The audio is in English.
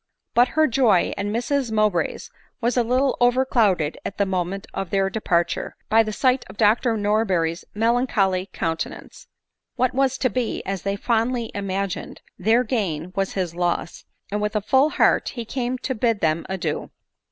But her joy, and Mrs Mowbray's, was a little overcloud ed at the moment of their departure, by the sight of Dr Norberry's melancholy countenance. What was to be, as they fondly imagined, their gain, was his loss, and with a full heart he came to bid them adieu.